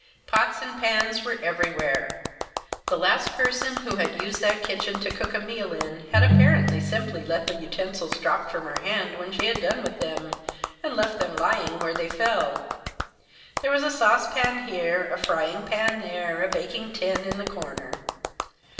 Pots and pans were everywhere. The last person who had used that kitchen to cook a meal in had apparently simply let the utensils drop from her hand when she had done with them, and left them lying where they fell. There was a saucepan here, a frying pan there, a baking tin in the corner.